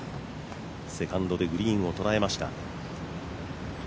セカンドでグリーンを捉えました。